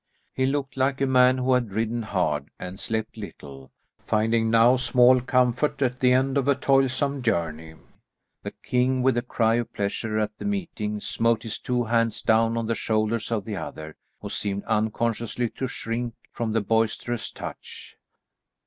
He looked like a man who had ridden hard and slept little, finding now small comfort at the end of a toilsome journey. The king, with a cry of pleasure at the meeting, smote his two hands down on the shoulders of the other, who seemed unconsciously to shrink from the boisterous touch.